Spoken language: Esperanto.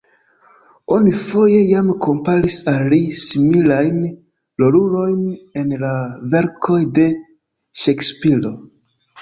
Oni foje jam komparis al li similajn rolulojn en la verkoj de Ŝekspiro.